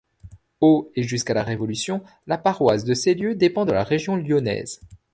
Au et jusqu'à la Révolution, la paroisse de Cellieu dépend de la région lyonnaise.